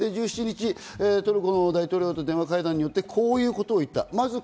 １７日、トルコの大統領との電話会談によってこういうことを言った。